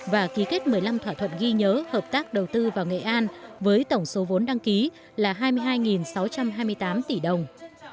và ký kết một mươi năm thỏa thuận ghi nhớ hợp tác đầu tư vào nghệ an với tổng số vốn đăng ký là hai mươi hai sáu trăm hai mươi tám tỷ đồng